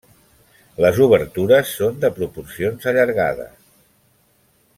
Les obertures són de proporcions allargades.